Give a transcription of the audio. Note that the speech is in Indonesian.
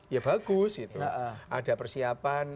ya bagus itu ada persiapan